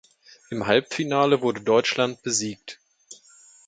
Im Halbfinale wurde Deutschland besiegt.